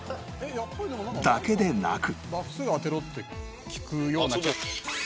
だけでなく